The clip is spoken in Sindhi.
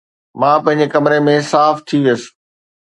مان پنهنجي ڪمري ۾ صاف ٿي ويس